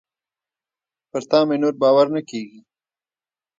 پر تا مي نور باور نه کېږي .